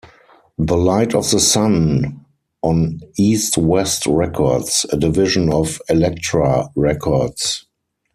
The Light of the Sun, on East West Records, a division of Elektra Records.